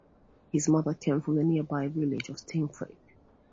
His mother came from the nearby village of Stiffkey.